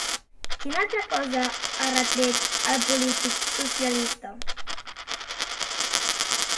Quina altra cosa ha retret al polític socialista?